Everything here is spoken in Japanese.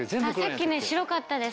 さっきね白かったです。